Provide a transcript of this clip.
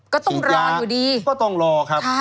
ก็ต้องรออยู่ดีก็ต้องรอครับ